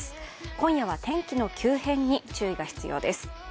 今夜は天気の急変に注意が必要です。